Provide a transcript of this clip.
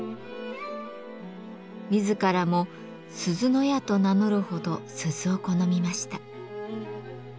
自らも「鈴屋」と名乗るほど鈴を好みました。